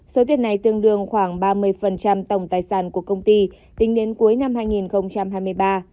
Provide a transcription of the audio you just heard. số tiền này tương đương khoảng ba mươi tổng tài sản của công ty tính đến cuối năm hai nghìn hai mươi ba